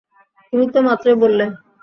তুমি তো মাত্রই বললে।